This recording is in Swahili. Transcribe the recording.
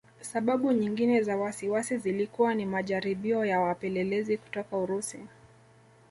Sababu nyingine za wasiwasi zilikuwa ni majaribio ya wapelelezi kutoka Urusi